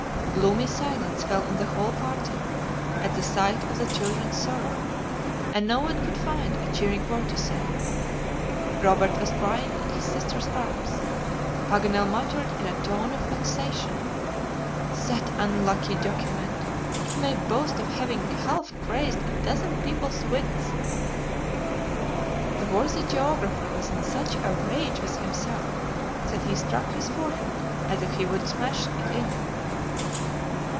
Gloomy silence fell on the whole party at the sight of the children's sorrow, and no one could find a cheering word to say. Robert was crying in his sister's arms. Paganel muttered in a tone of vexation: "That unlucky document! It may boast of having half crazed a dozen peoples' wits!" The worthy geographer was in such a rage with himself, that he struck his forehead as if he would smash it in.